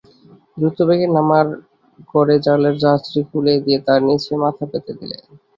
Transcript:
দ্রুতবেগে নাবার ঘরে জলের ঝাঁঝরি খুলে দিয়ে তার নীচে মাথা পেতে দিলে।